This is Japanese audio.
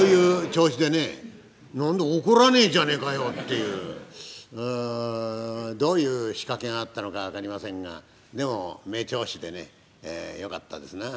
怒らねえじゃねえかよ」っていうどういう仕掛けがあったのか分かりませんがでも名調子でねよかったですなあ。